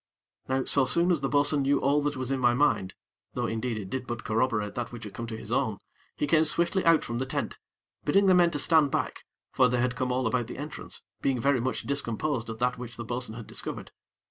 Now, so soon as the bo'sun knew all that was in my mind; though indeed it did but corroborate that which had come to his own, he came swiftly out from the tent, bidding the men to stand back; for they had come all about the entrance, being very much discomposed at that which the bo'sun had discovered.